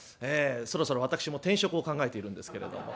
そろそろ私も転職を考えているんですけれども。